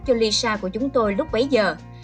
cho lisa của chúng tôi lúc bấy giờ